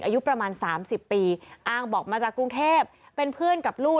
อายุประมาณ๓๐ปีอ้างบอกมาจากกรุงเทพเป็นเพื่อนกับลูก